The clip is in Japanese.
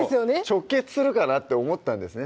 直結するかなって思ったんですね